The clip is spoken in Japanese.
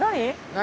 何？